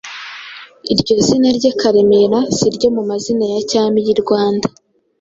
Iryo zina rye Karemera, si iryo mu mazina ya cyami y'i Rwanda;